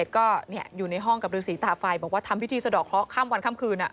ก็อยู่ในห้องกับฤษีตาไฟบอกว่าทำพิธีสะดอกเคราะหข้ามวันข้ามคืน